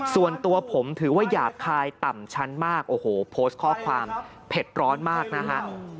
ส่วนตัวผมถือว่าหยาบคายต่ำชั้นมากโอ้โหโพสต์ข้อความเผ็ดร้อนมากนะฮะ